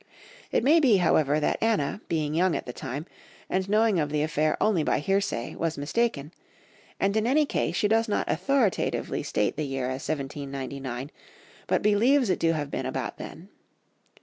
It may be, however, that Anna, being young at the time, and knowing of the affair only by hearsay, was mistaken; and in any case she does not authoritatively state the year as 1799, but believes it to have been about then.